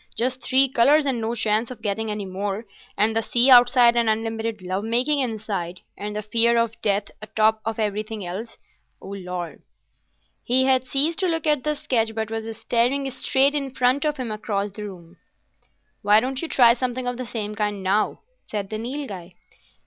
Just three colours and no chance of getting any more, and the sea outside and unlimited love making inside, and the fear of death atop of everything else, O Lord!" He had ceased to look at the sketch, but was staring straight in front of him across the room. "Why don't you try something of the same kind now?" said the Nilghai.